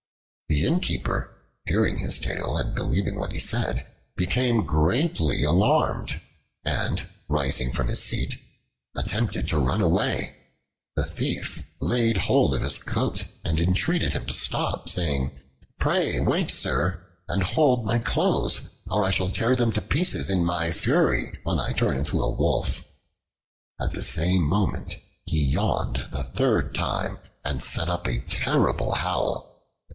The Innkeeper, hearing his tale and believing what he said, became greatly alarmed and, rising from his seat, attempted to run away. The Thief laid hold of his coat and entreated him to stop, saying, "Pray wait, sir, and hold my clothes, or I shall tear them to pieces in my fury, when I turn into a wolf." At the same moment he yawned the third time and set up a terrible howl.